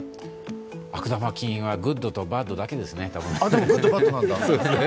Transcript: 悪玉菌はグッドとバットだけですね、多分。